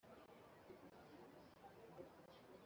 Igihugu gishyize imbere.